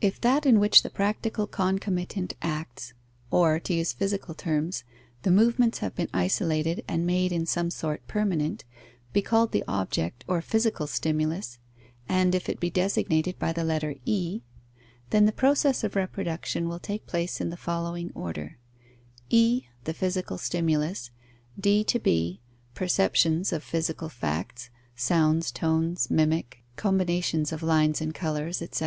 If that in which the practical concomitant acts, or (to use physical terms) the movements have been isolated and made in some sort permanent, be called the object or physical stimulus, and if it be designated by the letter e; then the process of reproduction will take place in the following order: e, the physical stimulus; d b, perceptions of physical facts (sounds, tones, mimic, combinations of lines and colours, etc.)